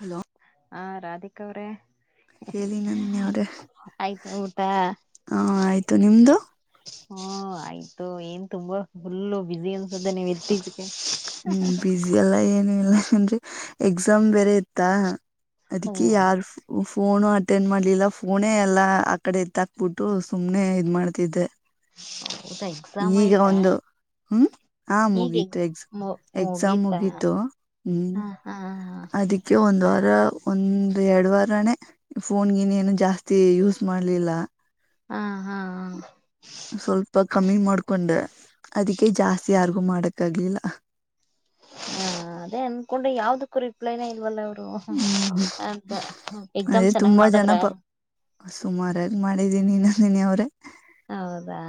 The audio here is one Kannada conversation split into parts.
ಹಲೋ ಹಾ ರಾಧಿಕ ಕ ಅವ್ರ ಹೇಳಿ ನಂದಿನಿ ಅವ್ರೆ ಆಯ್ತಾ ಊಟ ಹಾ ಆಯ್ತು ನಿಮ್ದು ಹ್ಮ ಆಯ್ತು ಏನ್ ತುಂಬಾ ಫುಲ್ಲು ಬಿಸಿ ಅನ್ಸ್ದೆ ನೀವು ಇತಿಜೀಗೆ ಹ್ಮ್ ಬಿಸಿ ಎಲ್ಲ ಏನು ಇಲ್ಲ ಏನ್ರಿ ಎಕ್ಸಾಮ್ ಬೇರೆ ಇತ್ತಾ ಓ ಅದಕ್ಕೆ ಯಾರು ಫೋನು ಅಟೆಂಡ್ ಮಾಡ್ಲಿಲ್ಲ ಫೋನೇ ಎಲ್ಲಾ ಆ ಕಡೆ ಎತ್ತ ಹಾಕ್ಬಿಟ್ಟು ಸುಮ್ನೆ ಇದ್ ಮಾಡ್ತಿದ್ದೆ ಹೌದಾ ಎಕ್ಸಾಮ ಈಗ ಒಂದು ಹ್ಮ್ ಆ ಮುಗೀತು ಎಕ್ಸಾಮ ಮು ಮುಗಿತ ಹ್ಮ್ ಹ ಹಾ ಅದಕ್ಕೆ ಒಂದ್ ವಾರ ಒಂದ್ ಎರಡ್ ವಾರನೇ ಫೋನ್ಗನ್ೇಏನು ಜಾಸ್ತಿ ಯೂಸ್ ಮಾಡ್ಲಿಲ್ಲ ಹಾ ಹಾ ಹಾ ಸ್ವಲ್ಪ ಕಮ್ಮಿ ಮಾಡ್ಕೊಂಡೆ ಅದಕ್ಕೆ ಜಾಸ್ತಿ ಯಾರ್ಗು ಮಾಡಕ್ಕೆೆ ಗ್ಲಿಲ್ಲ ಹಾ ಅದೇ ಅನ್ಕೊಂಡೆ ಯಾವ್ದಕ್ಕೂ ರಿಪ್ಲೈನ ಇಲ್ವಲ್ಲ ಅವರು ಹ್ಮ್ ಅಂತ ಎಕ್ಸಾಮ್ ಅದೇ ಚೆನ್ನಾಗ್ ತುಂಬಾ ಮಾಡದ್ರ ಜನ ಪ ಸುಮಾರ ಮಾಡಿದೀನಿ ನನೆಯ ಅವ್ರೆ ಹೌದಾ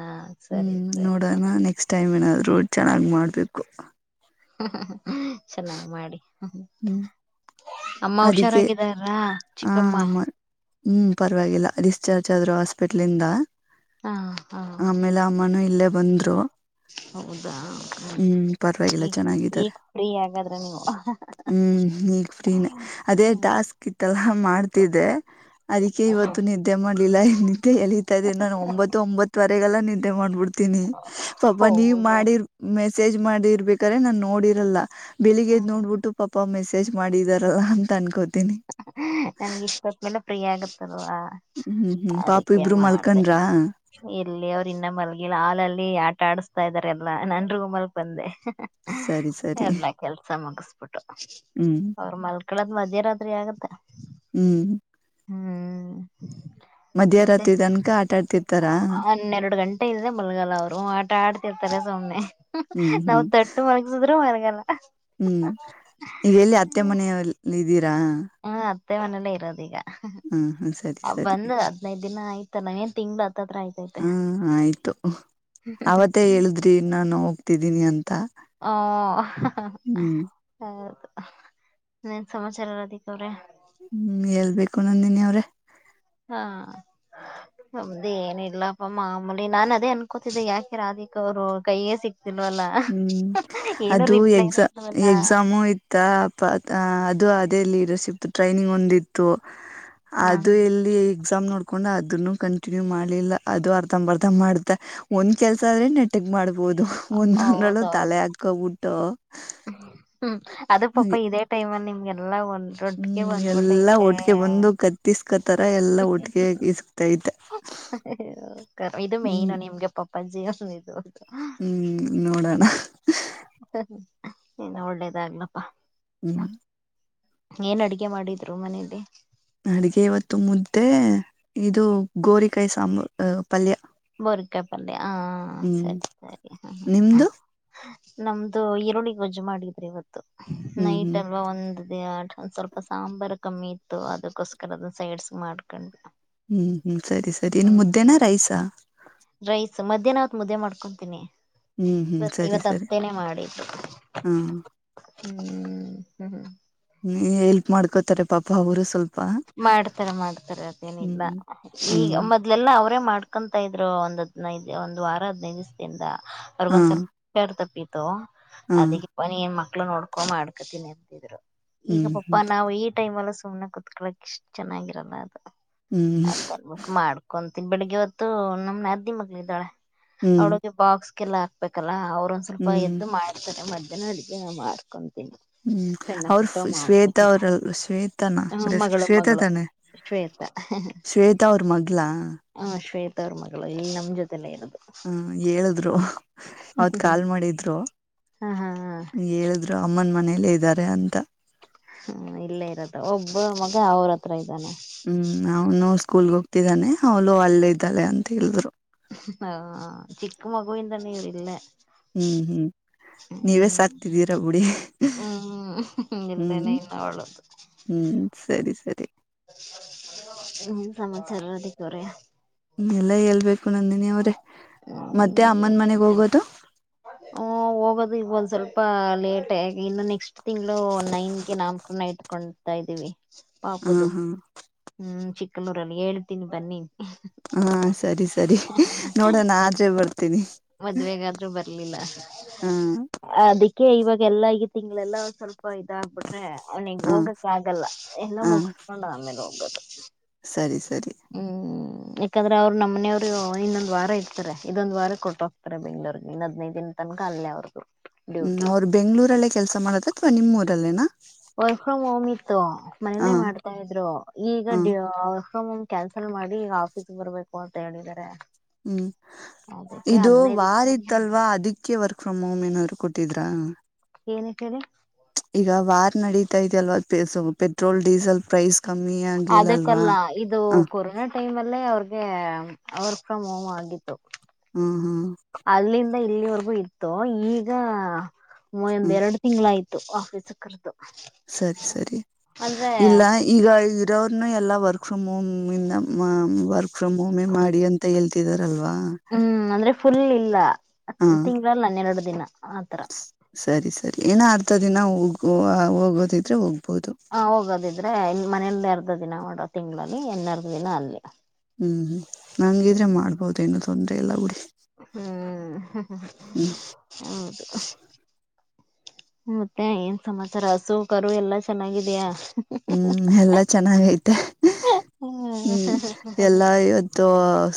ಸರಿ ಹ್ಮ್ ಸರಿ ನೋಡೋಣ ನೆಕ್ಸ್ಟ್ ಟೈಮ್ ಏನಾದ್ರು ಚೆನ್ನಾಗಿ್ ಮಾಡ್ಬೇಕು ಚೆನ್ನಾಗ ಮಾಡಿ ಹ್ಮ್ ಅಮ್ಮ ಹುಷಾರಾಗಿದಾರಾ ಹ ಆಮ ಹ್ಮ್ ಪರವಾಗಿಲ್ಲ ಡಿಸ್ಚಾರ್ಜ್ ಆದ್ರು ಹಾಸ್ಪಿಟ್ಲಿಂದ ಹಾ ಹಾ ಆಮೇಲೆ ಅಮ್ಮನುೂ ಇಲ್ಲೇ ಪಂದ್ರ ಹೌದು ಹ್ಮ ಈ ಪರವಾಗಿಲ್ಲ ಚೆನ್ನಾಗಿದ್ದಾರೆ ಈಗ ಫ್ರೀ ಹಾಗಗಾದ್ರೆ ನೀವು ಹ್ಮ್ ನೀಗ್ ಫೀನ್ ಅದೇ ಹ್ಮ್ ಟಾಸ್ಕ್ ಇತ್ತಲ್ಲಾ ಮಾಡ್ತಿದ್ದೆ ಅದಕ್ಕೆ ಇವತ್ತು ನಿದ್ದೆ ಮಾಡ್ಲಿಲ್ಲಿದ್ದೆ ಎಳತಾ ಇದ ನಾನು ಒಂಬತ್ತು ಒಂಬತ್ತು ಗೆಲ್ಲ ನಿದ್ದೆ ಮಾಡ್ಬಡ್ು ಿ ಪಾಪ ನೀವ್ ಹೌದಾ ಮಾಡಿರ್ ಮೆ ಮೆಸೇಜ್ ಮಾಡಿ ಇರ್ಬೇಕಾದ್ರೆ ನಾನ್ ನೋಡಿರಲ್ಲ ಹ ಬೆಳಗ್ಗೆದ ನೋಡ್ಬಿು ಪಪ್ಪ ಮೆಸೇಜ್ ಮಾಡಿದಾರಲ್ಲ ಅಂತ ಅನ್ಕೋತ ನನ್ಗೆ ಇಷ್ಟತ್್ಮೇಲೆ ಫ್ರೀ ಆಗುತ್ತ ಾ ಹ್ಮ್ ಹ್ಮ್ ಪಾಪ ಅದಕ್ಕೆ ಇಬ್ರು ಮಾಡಿದೆೇ ಮಲ್ಕಂಡ್ರಾ ಇಲ್ಲಿ ಅವ್ರು ಇನ್ನ ಮಲಗಿಲ್ಲ ಹಾಲಲ್ಲಿ ಆಟ ಆಡಸ್ತಾ ಇದಾರೆ ಎಲ್ಲಾ ನನ್ ರೂಮಲ್ ಬಂದೆ ಸರಿ ಸರಿ ಎಲ್ಲ ಕೆಲ್ಸ ಮುಗಿಸ ಹ್ಮ್ ಅವ್ರ ಮಲ್ಕ ಇಳರ ಸಯದ ಹ್ಮ್ ಮತ್ತೆ ಮಧ್ಯರಾತ್ರಿ ತನಕ ಆಟಾಡ್ತಿರ್ತಾರಾ ಆಟ ಇಲ್ದೆ ಬಲ್ಗಲ್ಲ ಅವರು ಆಟ ಆಡ್ತಿರ್ತಾರೆ ಸೊಮ್ಮ್ನೆ ಹ್ಮ್ ನಾವ್ ಹ್ಮ್ ತೊಟ್ಟು ಮಲಗಸಿದ್ರೂ ಮರಗಲ್ಲ ಹ್ಮ್ ಈಗ ಎಲ್ಲಿ ಅತ್ತೆ ಮನೆಯಲ್ಲ ಇದೀರ ಹ ಮೆ ಮನೇ ಇರೋದ ಈಗ ಸರಿ ಸರಿ ಬಂದ ಹದ್ಿನೈದು ದಿನ ಆಯ್ತು ನ ತಿಂಗಗಳಾ ಹ್ಮ ಆಯ್ತು ಹ ಅವತ್ತೇ ಹೇಳಿದ್ರಿ ನಾನು ಹೋಗ್ತಿದ್ದೀನಿ ಅಂತ ಹಓ ಹ್ಮ್ ಹೌದು ನೀನ್ ಸಮಾಚಾರ ಎಲ್ಲ ಅದಕ್ ಅವ್ರೆ ಹ್ಮ್ ಹೇ ಳ್ಬೇಕು ನಂದಿನಿ ಅವ್ರೆ ಹಾ ನಮ್ದ ಏನಿಲ್ಲಪ್ಪ ಮಾಮೂಲಿ ನಾನನ್ ಅದೇ ಅನ್ಕೋತಿದ್ದೆ ಯಾಕೆ ರಾಧಿಕ ಅವರು ಕೈಗೆ ಸಿಕ್ತ ಹ್ಮ್ ಅದು ಎಕ್ಸ ರಿಪ್ಲೈನೇ ಇಲ್ವಲ್ಲ ಎಕ್ಸಾಮು ಇತ್ತ ್ ಅದು ಅದೇ ಲ ಇ ಸಿ ಟ್ರೈನಿಂಗ್ ಒಂದಿತ್ತು ಹಾ ಅದು ಎಲ್ಲಿ ಎಕ್ಸಾಮ್ ನೋಡ್ ಹಕೊಂಡ್ ಅದನ್ನು ಕಂಟಿನ್ಯೂ ಮಾಡ್ಲಿಲ್ಲ ಅದು ಅರ್ಧ್ ಬರ್ದ ಮಾಡ್ತ ಒಂದ್ ಕೆಲಸ ಆದ್ರೆ ನೆಟ್ಟಗ್ ಮಾಡ್ಬ ಬೋದು ತಾಲೆ ಅತಾಗ ಉಊ ತೋ ಹ್ಮ ಹ್ಮ್ ಅದ ಪಾ ಇದೇ ಟೈಮ ಅಲ್ಲಿ ನಿಮ ಎಲ್ಲ ಒಂದು ಹ್ಮ್ ಎಲ್ಲಾ ಒಟ್ಿಗೆ ಬಂದು ಕತ್ತಿಸಕೋತರ ಎಲ್ಲಾ ಒಟ್ಟಿಗೆ ಇಕ್ತೈತೆ ಹ್ಮ್ ಪಂಜ ಇದು ಹ್ಮ್ ನೋಡೋಣ ಇನ್ ಒಳ್ಳೇದಾಗಗ್್ಲಪ್ಪಾ ಹ್ಮ್ ಏನ್ ಅಡಗೆ ಮಾಡಿದ್ರು ಮನೇೆಯಲ್ಲಿ ಅಡಗೆ ಇವತ್ತು ಮುದ್ದೆ ಇದು ಗೋರಿಕಾಯಿ ಸಾಂಬ್ರು ಪಲ್ಯ ಗೊರೆಕಾಯಿ ಪಲ್ಯ ಹ ಹ್ಮ್ ಸರಿ ಸರಿ ಹ ಹ ನಿಮ್ದು ನಮ್ದು ಈರುಳ್ಳಿಗ್ ಗೊಜ್ಜು ಮಾಡಿದ್ರಿ ಇವತ್ತು ಹ್ಮ್ ಹ್ಮ್ ನೈಟ್ ಅಲ್ವಾ ಒಂದ ದ ಆ ಸ್ವಲ್ಪ ಸಾಂಬಾರ್ು ಕಮ್ಮಿ ಇತ್ತು ಅದಕ್ಕೋಸ್ಕರ ಅದನ್ನ ಸೈಡ್ಸ್ ಮಾಡ್ಕೊಂಡ್ ಹ್ಮ್ ಹ್ಮ್ ಸರಿ ಸರಿ ಇನ್ನು ಮುದ್ದೇನ ಹ್ಮ್ ರೈಸ ರೈಸ್ ಮಧ್ಯಾಹ್ನ ಅವತ್ ಮುದ್ದೆ ಮಾಡ್ಕೊಂತೀನಿ ಹ್ಮ್ ಹ್ಮ್ ಸರಿ ಸರಿ ಹಾ ಹ್ಮ್ ಹ್ಮ್ ಹ್ಮ್ ಹೆಲ್ಪ್ ಮಾಡ್ಕೋತಾರೆ ಪಾಪ ಅವರು ಸ್ವಲ್ಪ ಮಾಡ್ತಾರೆ ಮಾಡ್ತಾರೆ ಅದೇನಿಲ್ಲ ಹ್ಮ್ ಹ್ಮ್ ಈಗ ಮೊದ್ಲೆಲ್ಲ ಅವ ಅವೇ ಮಾಡ್ಕೊತ ಇದ್ರು ಒಂದ್ದ್ನೈದು ಒಂದು ವಾರ ಹದಿನೈದು ದಿವಸದಿಂದ ಹಾ ಅವ್ರಗೊಂದ್ ಸ್ವಲ್ಪ ಪೇರ್ ತಪ್ಪ ತ ಹಾ ಅದಕ್ಕೆ ಪನಿಯಮ್ಮ ಮಕ್ಳ ನೋಡ್ಕೊ ಮಾಡ್ಕತೀನಿ ಅಂತಿದ್ರು ಈಗ ಹ್ಮ್ ಪಾಪಾ ಹ್ಮ್ ನಾವು ಈ ಟೈಮ್ ಅಲ್ಲ ತ ಕಕಳಕ್ಷ್ಟ ಚೆನ್ನಾಗಿರಲ್ಲ ಹ್ಮ್ ಅಂತನ್ಬೇಕ ಮಾಡ್ಕೊ ಬೆಳಿಗ್ಗೆ ಹೊತ್ತು ನಮ್ನ ನಾದ್ನಿ ಮಕ್ಕಳ ಇದ್ದಾಳೆ. ಹ್ಮ್ ಅವ್ಳಿಗ್ ಬಾಕ್ಸ್. ಲ್ಲ ಹಾಕ್ಬೇಕಲ್ಲ ಅವ. ಒಂದ ಸ್ವಲ್ಪ ಹ್ಮ್ ಎದ್ದ ಮಾಡ್ತಾರೆ. ಮದ ಅಡಿಗೆ ಮಾರ್ಕೊಂಡು ಹ್ಮ್ ಅವ್ರ ಶ್ವೇತಾ ಅವ್ರ ಶ್ವೇತಾನ ಅವರ ಹೆಸರು ಮಗಳು ಶ್ವೇತಾ ಮಗಳು ತಾನೆ ಶ್ವೇತಾ ಶ್ವೇತಾ ಅವ್ರ ಮಗ್ಲಾ ಶ್ವೇತರ್ಮಗಳು ಇಲ್ಲಿ ನಮ್ಮ ಜೊತೆಲ್ಲೇ ಇರುತ್ತೆ ಹ್ಮ ಹೇಳಿದ್ರು ಅವತ್ ಕಾಲ್ ಮಾಡಿದ್ರು ಹ ಹಾ ಹೇಳಿದ್ರು ಅಮ್ಮನ್ ಮನಲ್ಲ ಇದ ಇದ್ದಾರೆ ಅಂತ ಹ್ಮ ಇಲ್ಲೇ ಇರತ್ತ ಒಬ್ಬ ಮಗ ಅವ್ರ ಹತ್ರ ಇದ್ದಾನೆ ಹ್ಮ್ ನನ್ ಸ್ಕೂಲ್ಗೆ ಹೋಗತಿದ್ದಾನೆ ಅವಲೋ ಅಲ್ಲೇ ಇದ್ದಳೆ ಅಂತ ಹೇಳಿದ್ರು ಹಾ ಚಿಕ್ಕ ಮಗುವನ್ ತನ್ನೆ ಇವರು ಇಲ್ಲ ಹ್ಮ್ ಹ್ಮ್ ನೀವೇ ಸಾಕ್ತಿದ್ದೀರಾ ಪುಡಿ [inaudible] ಹ್ಮ್ ಇಲ್ಲೇನೆ ಇನ್ನ ಒಳ್ಳದು ಹ್ಮ್ ಸರಿ ಸರಿ ಹ್ಮ್ ಸಮಮಾಚಾರ ಅದಕ್ಕೆ ಹೊರೆಯ ಎೆಲ್ಲ ಹೇಳ್ಬೇಕು ಂದಿನಿ ಅವ್ರೆ ಹ್ಮ ಮದ್ಯಾೆ ಅಮ್ಮನ ಮನೆಗ್ ಹೋಗೋದು ಹೋಗೋದು ಈಗ ಒಂದ್ ಸ್ವಲ್ಪ ಲೇಟ್ ಆ ಇನ್ನು ನೆಕ್ಸ್ಟ್ ತಿಂಗಳು ನೈನ್ಗೆ ನಾಮಕೂನ ಇಟ್ಕೊತಾ ಇದೀವಿ ಹ ಹಾ ಹ್ಮ್ ಚಿಕ್ಕಲೂರಲ್ಲಿ ಹೇಳ್ತೀನಿ ಬನ್ನಿ ಹಾ ಸರಿ ಸರಿ ನೋಡೋಣ ಮದ್ ಆದೆ ಬರ್ತೀನಿ ಮದ್ವೆಗಾದ್ರೂ ಹಾ ಇವಾಗ ಎಲ್ಲಾ ಈಗ ತಿಂಗಳಲ್ಲ ಸ್ವಲ್ಪ ಅ ಇದಾಗಬಿಟ್ರೆ ಅವ್ನಿಗೆ ಹ ಹೋಗಕ್ಕೆ ಆಗಲ್ಲ ಎಲ್ಲ ಹ ಮುಗಸ್ಕೊಂಡ ಆಮೇಲೆೋಗ ಹಮ್ ಸರಿ ಸರಿ ಯಾಕಂದ್ರೆ ಅವ್ರು ನಮ್ಮ ಮನೆಯವ್ರು ಇನ್ನೊಂದ್ ವಾರ ಇರ್ತಾರೆ ಇದೊಂದ್ ವಾರ ಕೊಟ್ಟ ಹೋಗ್ತಾರೆ ಬೆಂಗ್ಳೂರ್ಗೆ ಇನ್ನ ಹದ್ೈದು ದಿನ ತನಕ ಅಲ್ಲೇ ಅವ್ರು ಹ್ಮ್ ಅವ್ರು ಬೆಂಗಳೂರಲ್ಲೇ ಕೆಲ್ಸ ಮಾಡದ ಅಥವಾ ನಿಮ್ಮೂರಲ್ಲೇನಾ. Work from home. ಹ ಮನೆಯಲ್ಲೇ ಮಾಡ್ತಾ ಇದ್ರು ಈಗ- ಹ ಕ್ಯಾನ್ಸಲ್ ಮಾಡಿ ಈಗ ಆಫೀಸ್ ಬರ್ಬೇಕು ಅಂತ ಹೇಳಿದ್ದಾರೆ. ಹ್ಮ್ ಅದಕ್ಕೆ ಇದು ಹದ್ನೈದು ವಾರಿತ್ತಲ್ವಾ ದಿವಸ ಅದಿಕ್ಕೆ ವರ್- ಫ್ರಮ್ ಹೋಮ್ ಏನಾದ್ರು ಕೊಟ್ಟಿದ್ರಾ. ಏನಕ್ಕೆ ಹೇಳಿ. ಈಗ ವಾರ್ ನಡೀತಾ ಇದೆ ಅಲ್ವ ಸೊ ಪೆಟ್ರೋಲ್ ಡೀಸೆಲ್ ಪ್ರೈಸ್. ಕಮ್ಮಿ ಆಗ್ಲಿಲ್ಲ ಅಲ್ವಾ ಅದಕ್ಕಲ್ಲ ಇದು ಹ ಕೊರೋನಾ ಟೈಮ್ ಅಲ್ಲೇ ಅವ್ರಿಗೆ. ವರ್ಕ್ ಫ್ರಮ್ ಹೋಮ್ಗಿತ್ತು. ಹ್ಮ್ ಹ್ಮ್. ಅಲ್ಲಿಂದ ಇಲ್ಲಿವರೆಗೂ ಇತ್ತು ಈಗ. ಒ ಒಂದ್ ಹ್ಮ್ ಎರಡು ತಿಂಗಳಾಯ್ತು. ಆಫೀಸ್ ಗೆ ಕರ್ದು. ಸರಿ ಸರಿ ಅಂದ್ರೆ ಇಲ್ಲ ಈಗ. ಇದ ಅವ್ರನು ಎಲ್ಲಾ ವರ್ಕ್ ಫ್ರಮ್ ಹೋಮ್ ಇಂದ ವರ್ಕ್ ಫ್ರಮ್ ಹೋಮ ಮಾಡಿ ಅಂತ ಹೇಳ್ತಿದ್ದಾರೆ. ಹ್ಮ್ ಅಂದ್ರೆ ಫುಲ್ ಇ- ಇಲ್ಲ. ಹಾ ತಿಂಗಳಲ್ಲನ್ನೆರಡು. ದಿನ. ಆತರ ಸರಿ ಸರಿ ಏನ ಆರ್ತದ ನಾ ಹುವ. ಗೊತ್ತಿದ್ರೆ ಹೋಗ. ಹೋಗ್ಬೋದು ಹಾ ಹೋಗೋದಿದ್ರೆ ಇ ಮನೆಯಲ್ಲೇ ಅರ್ಧ ದಿನ ನೋಡ. ತಿಂಗಳಲ್ಲಿ ಎನ್ನೆರಡು ದಿನ ಅಲ್ಲಿ. ಹ್ಮ ಹ. ಬಿಡಿ ಹ್ಮ್ ಹ್ಮ್. ಮತ್ತೆ ಏನ್ ಸಮಾಚಾರ ಹಸು ಕರು ಎಲ್ಲಾ ಚೆನ್ನಾಗಿದೆಯಾ. ಹ್ಮ್ ಎಲ್ಲಾ ಚೆನ್ನಾಗೈತೆ ಹ್ಮ್ ಎಲ್ಲಾ ಇವತ್ತು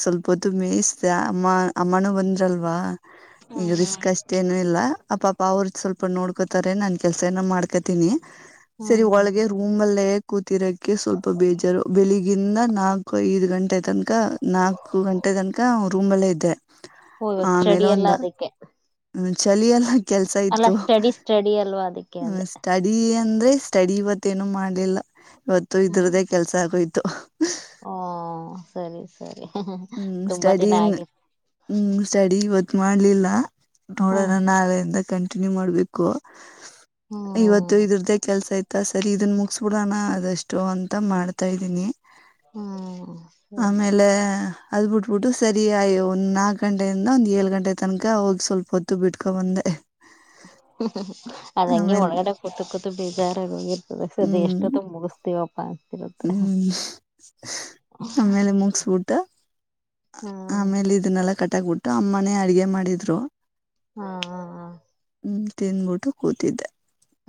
ಸ್ವಲ್ಪ- ಪದು ಮೇಯಸ್ ಅಮ್ಮ ಅಮ್ಮಾನು ಬಂದರಲ್ವಾ. ಈಗ ರಿಸ್ಕ್ ಅಷ್ಟೇನು ಇಲ್ಲ. ಅಪಾಪಾ ಅವ್ರ ಸ್ವಲ್ಪ ನೋಡ್ಕೋತಾರೆ ನನ್ ಕೆಲ್ಸ ನಾನ್ ಮಾಡ್ಕೊತೀನಿ. ಹ್ಮ ಹ್ಮ. ರೂಮಲ್ಲಿ ಕೂತಿರಕ್ಕೆ ಸ್ವಲ್ಪ ಬೇಜಾರ ಬೆಳಿಗಿಂದ ನಾಲ್ಕು ಐದು ಗಂಟೆ ತನಕ ನಾಲ್ಕು ಗಂಟೆ ತನಕ ರೂಮಲ್ಲೆ ಇದೆ. ಹ ಚೆಡಿ ಎಲ್ಲಾ ಅದಕ್ಕೆ ಚಲಿ ಎಲ್ಲ ಕೆಲ್ಸ ಅಲ್ಲಾ ಇತ್ತು ಸ್ಟಡಿ ಸ್ಟಡಿ ಅಲ್ವಾ ಅದಕ್ಕೆ ಅಂದೆ ಸ್ಟಡಿ ಅಂದ್ರೆ ಸ್ಟಡಿವ ತ್ತೆನು ಮಾಡ್ಲಿಲ್ಲ ಒತ್ತು ಹ್ಮ್ ಇದ್ದದ್ರೆ ಕೆಲಸ ಆಗೋಯ್ತು ತ್ತು ಹು ಓ ಸರಿ ಸರಿ ಮ್ ಮ್ ಹ್ಮ್ ತುಂಬಾ ದಿನ ಸ್ಟಡಿ ಆಗಿತ್ತು ಹ್ಮ್ ಸ್ಟಡಿ ಇವತ್ ಮಾಡ್ಲಿಲ್ಲ ಹ ನೋಡೋಣ ನಾಳೆಯಿಂದ ಕಂ ಇಂಗ ಮಾಡ್ಬೇಕು ಇವತ್ತು ಹ್ಮ್ ಇದರದೇ ಕೆಲ್ಸ ಇದ್ ತಸ್ ಸರಿ ಇದನ್ನ ಮುಗಿಸ್ಬಿಡೋಣ ಅದೇಷ್ಟು ಅಂತ ಮಾಡ್ತಾ ಇದ್ದೀನಿ ಹ್ಮ್ ಸರಿ ಆಮೇಲೆ ಅದ್ ಬಿಟ್ಬಿಟ್ಟು ಸರಿಯ ಒಂದ್ ನಾಲ್ಕು ಗಂಟೆಯಿಂದ ಒಂದ ಏಳ್ ಗಂಟೆ ತನಕ ಹೋಗಿ ಸ್ವಲ್ಪ ಹೊತ್ತು ಬಿಟ್ಕೊ ಬಂದೆ ಹ್ಮ್ ಹ್ಮ್ ಅದಂಗೆ ಆಮೇಲ್ ಒಳಗಡೆ ಕೂತೂ ಕೂತು ಬೇಜಾರಾಗೋಗಿರ್ತ್ ದ ಸದ ಹ್ಮ್ ಎಷ್ಟತ್ತಗೆ ಮುಗಿಸತೀವಪ್ಪಾ ಅನ್ಸುತ್ತೆ ಹ್ಮ್ ಆಮೇಲೆ ಮುಗಿಸ್ಬಿಟ್ಟು ಹ್ಮ್ ಟಕ್ ಬಿಟ್ಟು ಅಮ್ಮನೆ ಅಡಗೆ ಮಾಡಿದ್ರು ಹಾ ಹಾ ಹಾ ಹ್ಮ ತಿನ್ಬಿಟ್ಟು ಕೂತಿದ್ದೆ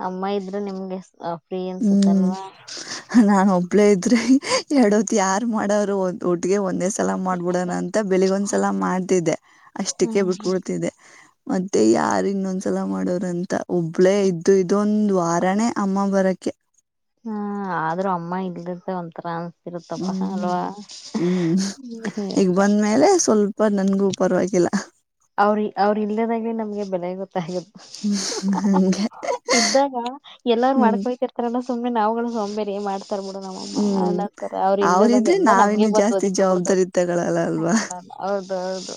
ಅಮ್ಮ ಇದ್ರೆ ನಿಮ್ಗೆ ಫ್ರೀ ಅನ್ಸುತ್ತಲ್ವ ದ್ರೆ ಎರಡೋತ್ ಯಾರ ಮಾಡೋರು ಒ ಒಟ್ಟಿಗೆ ಒಂದೇ ಸಲ ಮಾಡ್ಬಿಡೋಣ ಅಂತ ಬೆಳಿಗ್ ಒಂದ್ ಸಲ ಮಾಡ್ತಿದ್ದೆ ಅಷ್ಟಕ್ಕೆ ಹ್ಮ್ ಬಿಟ್ಬಿಡ್ತಿದ್ದೆ ಮತ್ತೆ ಯಾರ್ ಇನ್ನೊಂದ್ ಸಲ ಮಾಡೋರಂತ ಒಬ್ಬಳೇ ಇದ್ದು ಇದ್ದು ಇದೊಂದು ವಾರನೇ ಅಮ್ಮ ಬರಕ್ ಕೆೆ ಹ ಆದ್ರೂ ಅಮ್ಮ ಇಲ್ಲದಿದ್ದು ಒಂತರ ಹ್ಮ್ ಹ್ಮ್ ಈಗ ಬಂದ್ಮೇಲೆ ಸ್ವಲ್ಪ ನನಗೂ ಪರ್ವಾಗಿಲ್ಲ ಅವ್ರ ಅವ್ರು ಇಲ್ದಾಗ್ಲಿ ನಮ್ಗೆ ಬೆಲೆ ಗೊತ್ತ ತ್ಗದು ಹಂಗೆ ಇದ್ದಾಗ ಎಲ್ಲಾರರು ಹ್ಮ್ ಮಾಡ್ಕೊತಿರ್ತಾರಲ್ಲ ಸುಮ್ಮನೆ ನವುಗಳು ಒಂಬೇರಿ ಮಾಡ್ ಬಿಡ ಹ್ಮ್ ನಮ್ಮಮ್ಮತರ ಅವ್ರು ಇಲ್ದದಾಗ ಅವ್ರಿದ್ರೆ ಎಲ್ಲ ನಮಗೆ ನಾವಿನ್ನು ಬಂದು ಜಾಸ್ತಿ ಓದಿಕೋ ಬಿಡುತ್ತವೆ ಜವಾಬ್ದಾರಿ ತಗೊಳಲ್ಲ ಅಲ್ವಾ ಅವ ಹೌದೌದು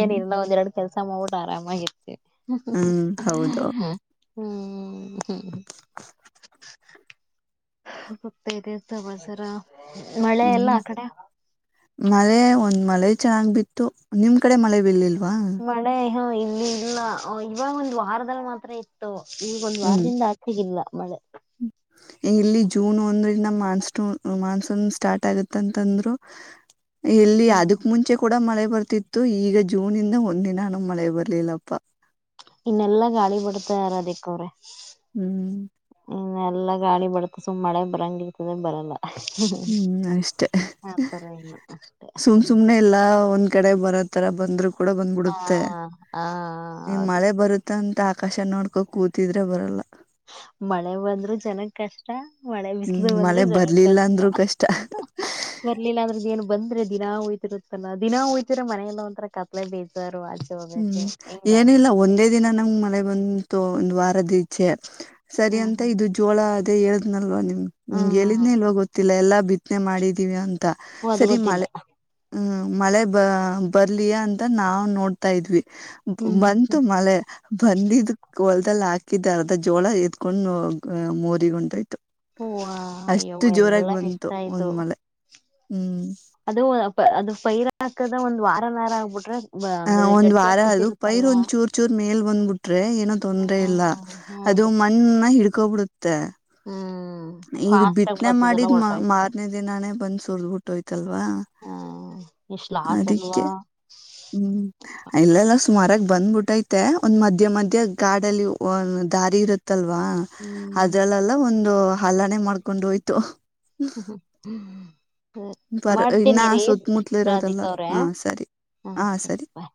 ಏ ನಿನ್ನ ಒಂದೆರಡು ಕೆಲಸ ಮಾಡ್ಬಿಟ್ಟು ಆರಾಮಾಗಿರ್ತೀವಿ ಹ ಹ್ಮ್ ಹೌದು ಹ್ಮ ಹ್ಮ ಹ್ಮ್ ಹ್ತಾ ಇದರ್ತ ಬಸರ ಹ್ಮ್ ಮಳೆ ಒಂದು ಮಳೆ ಚೆನ್ನಾಗ್ ಬಿತ್ತು ನಿಮ್ ಕಡೆ ಮಳೆ ಬಲಿಲ್ಲ ಮಾಡ ಹೌ ಇಲ್ಲಿ ಇಲ್ಲ ಇವಾಗ ಒಂದು್ ವಾರದಲ್ಲಿ ಮಾತ್ರ ಇತ್ತು ಈವಗ ಒಂದ್ ವಾರದಿಂದ ಆಚೆಗಿಲ್ಲ ಮಳೆ ಈ ಇಲ್ಲಿ ಜೂನ್ ಒಂದ್ರಂದ ಮಾನ್ಸೂನ್ ಮಾನ್ಸೂನ್ ಸ್ಟಾರ್ಟ್ ಆಗತ್ತ ಅಂತಂದ್ರು ಎಲ್ಲಿ ಹ್ಮ್ ಅದಕ್ ಮುಂಚೆ ಕೂಡ ಮಳೆ ಬರ್ತಿತ್ತು ಈಗ ಜೂನ್ ಇಂದ ಒಂದ್ಿನಾನು ಮಳೆ ಬರ್ಲಿಲ್ಲಪ್ಪ ಇನ್ನೆಲ್ಲ ಗಾಳಿ ಬಿಡ್ತ ಯಾರ ಅದಕ್ಕ ಅವ್ರೆ ಹ್ಮ್ ಎಲ್ಲಾ ಗಾಡಿ ಬಡತ ಸುಮ್ ಮಳೆ ಬರಂಗ ಇರ್ತದೆ ಬರಲ್ಲ ಹ್ಮ್ ಅಷ್ಟೇ ಆತರ ಇಲ್ಲ ಅಷ್ಟೇ ಸುಮ್ ಸುಮ್ನೆ ಎಲ್ಲಾ ಒಂದ್ ಕಡೆ ಬರೋ ತರ ಬಂದ್ರು ಕೂಡ ಹಾ ಬಂದ್ಬಿಡುತ್ತೆ ಹ ಈ ಹೌದು ಮಳೆ ಬರುತ್ತೆ ಅಂದ್ರ ಆಕಾಶ ನೋಡ್ಕೋ ಕೂತಿದ್ರೆ ಬರಲ್ಲ ಮಳೆ ಬಂದ್ರರು ಜನಗ್ ಕಷ್ಟ ಮಳೆ ಹ್ಮ್ ಬಿಸಿಲು ಬಂದ್ರು ಮಳೆ ಜನಕ್ ಬರ್ಲಿಲ್ಲ ಅಂದ್ರರು ಕಷ್ಟ ಬರ್ಲಿಲ್ಲ ಅಂದ್ರೆ ಏನ್ ಬಂದ್ರೆ ದಿನಾ ಹಯ್ತಿರುತ್ತಲ್ಲ ದಿನ ಹೋಯ್ತಿರ್ರ ಮನನೆಲ್ಲ ಒಂಥರ ಕತ್ಲೆ ಬೇಜಾರ್ ಹ್ಮ್ ಏನಿಲ್ಲ ಒಂದೇ ದಿನ ನಂಗ್ ಮಳೆ ಬಂದ್ ೊ ಒಂದು ವಾರದೀಚೆ ಸರಿ ಹ್ಮ್ ಅಂತ ಹ್ಮ್ ಇದು ಜೋಳ ಅ ಹೇಳಳ್್ನಲ್ವ ನಿ ್ಮ್ ನಿಂಗ್ಗೆ ಹ್ಮ್ ಹ್ಮ್ ಹೇಳಿದ್ನೇಲ್ೋಗ ಗೊತ್ತಿಲ್ಲ ಎಲ್ಲಾ ಬಿತ್ತನೆ ಮಾಡಿದೀವಿ ಅಂತ ಓ ಾ ಅದು ಸರಿ ಗೊತ್ತಿಲ್ಲ ಮಳೆ ಹ್ಮ್ ಮಳೆ ಬ ಬರ್ಲಯಾ ಅಂತ ನಾವ್ ನೋಡ್ ತಾ ಇದ್ವಿ ಹ್ಮ್ ಹ್ಮ್ ಬಂತು ಹ್ಮ್ ಮಳೆ ಬಂದಿದ್ ಹೊಲದಲ್ಲಿ ಹಾಕಿದ್ದ ಅರ್ಧ ಜೋಳ ಎತ್ಕೊಂಡು ಮ ಮೂರಿಗ ಉಂಟಾಯ್ತು ಹಓ ಅಯ್ಯೋ ಎಲ್ಲ ಬಂತು ಇಷ್ಟ್ ಆಯ್ತು ಒಂದ್ ಮಳೆ ಹ್ಮ್ ಅದು ಅದು ಪೈರ್ ಹಾಕದ ಒಂದ ವಾರ ನಾರ ಆಗ್ಬಿಟ್ರೆ ಬ- ಅ ಅಂದ್ರೆ ಒಂದ್ ವಾರ ಗಟ್ಟಿಯಾಗಿ ಅದು ಪೈರ್ ಕೂತಿರುತ್ತಲ್ವಾ ಒಂದ್ ಚೂರ್ ಚೂರ್ ಮೇಲ್ ಬಂದ್ಬಿಟ್ರೆ ಏನೋ ತೊಂದ್ರ ಹಾ ಇಲ್ಲ ಹೌದು ಅದು ಮಣ್ಣ ಹಿಡ್ ಕ್ಕೊಬಿಡುತ್ತೆ ಹ್ಮ್ ಇ ಫಾಸ್ಟ್ ಆಗ ಬಿತ್ತನೆ ಬರ್ತದಲ್ಲ ಮಾಡಿದ್ ಮ ಹೊರಟೋಯ್ತದೆ ಮಾರ್ನೆೇ ದಿನಾನೇ ಬಂದ ಸುರ್ದ್ಬುಟ್ಟೋಯ್ತಲ್ವಾ ಹ್ಮ್ ಇಷ್ಟ್ ಲಾಸ್ ಅಲ್ವಾ ಅದಕ್ಕೆ ಹ್ಮ್ ಇಲ್ಲೆಲ್ಲಾ ಸುಮಾರಾಗ ಬಂದ್ಬಿಟ್ಟೈತೆ ಒಂದ್ ಮಧ್ಯ ಮಧ್ಯೆ ಗಾಡಲ್ಲಿ ಒಂದ್ ದಾರಿ ಇರುತ್ ಲ್ವಾ ಹ್ಮ್ ಅದ್ರಲ್ಲೆಲ್ಲ ಒಂದು ಹಲ್ಲಾನೆ ಮಾಡ್ಕೊಂಡು ಹೋಯ್ತು ಹ ಹ ಹ್ಮ್ ಹ ಬರ ಇನ್ನ ಮಾಡ್ತೀನಿ ರೀ ಸುತ್ತಮುತ್ತಲು ಇರೋದೆಲ್ಲ ರಾಧಿಕಾ ಅವ್ರೇ ಹಾ ಸರಿ ಹಾ ಹ್ಮ